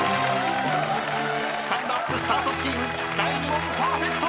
［スタンドＵＰスタートチーム第２問パーフェクト！］